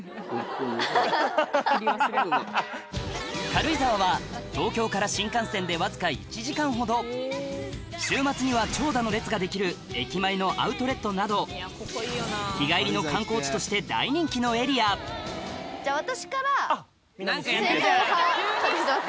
軽井沢は東京から新幹線でわずか１時間ほど週末には長蛇の列ができる駅前のアウトレットなど日帰りの観光地として大人気のエリア何かやってるじゃん！